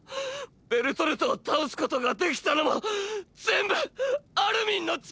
ベルトルトを倒すことができたのも全部アルミンの力だ！！